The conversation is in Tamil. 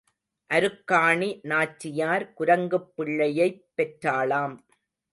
அருக்காணி நாச்சியார் குரங்குப் பிள்ளையைப் பெற்றாளாம்.